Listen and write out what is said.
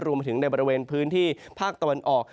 รวมไปถึงในบริเวณพื้นที่ภาคตะวันออก